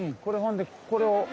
でこれを。